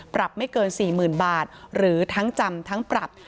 ปรับไม่เกิน๔๐๐๐บาทหรือทั้งจำทั้งปรับ